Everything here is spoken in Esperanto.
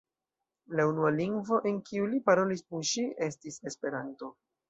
La unua lingvo, en kiu li parolis kun ŝi, estis Esperanto.